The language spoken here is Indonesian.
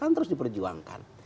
kan terus diperjuangkan